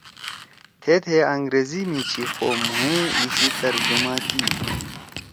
تھید ہے انگریزی می چھی خو مھوئے ایِسی ترجمہ کی یی